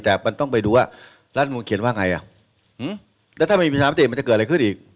รับหนุนว่าไงล่ะรับหนุนเขียนว่าไงนี่พูดส่งเดชน์กันไปเรื่อย